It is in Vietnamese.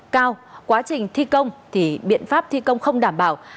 cao quá trình thi công thì biện pháp thi công không đảm bảo